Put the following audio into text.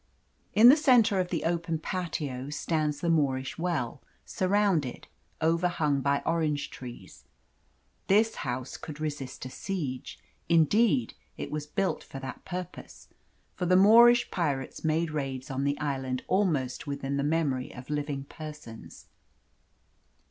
In the centre of the open patio stands the Moorish well, surrounded, overhung by orange trees. This house could resist a siege indeed, it was built for that purpose; for the Moorish pirates made raids on the island almost within the memory of living persons.